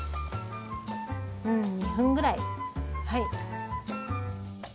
うん２分ぐらいはい。